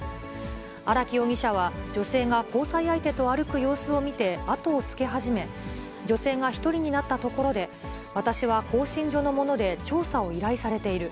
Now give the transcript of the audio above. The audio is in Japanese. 荒木容疑者は、女性が交際相手と歩く様子を見て、後をつけ始め、女性が１人になったところで、私は興信所の者で調査を依頼されている。